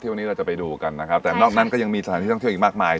วันนี้เราจะไปดูกันนะครับแต่นอกนั้นก็ยังมีสถานที่ท่องเที่ยวอีกมากมาย